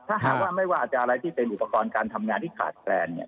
ถ้าหากว่าไม่ว่าจะอะไรที่เป็นอุปกรณ์การทำงานที่ขาดแคลน